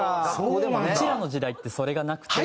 うちらの時代ってそれがなくて。